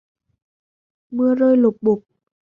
Mưa rơi lộp bộp